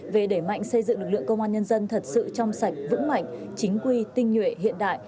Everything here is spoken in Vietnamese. về đẩy mạnh xây dựng lực lượng công an nhân dân thật sự trong sạch vững mạnh chính quy tinh nhuệ hiện đại